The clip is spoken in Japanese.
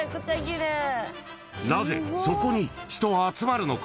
なぜそこに人は集まるのか。